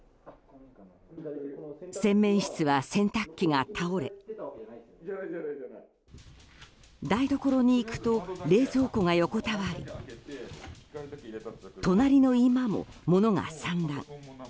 洗面室は、洗濯機が倒れ台所に行くと冷蔵庫が横たわり隣の居間も、物が散乱。